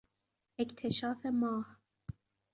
اکتشاف ماه